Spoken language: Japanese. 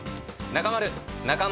中丸。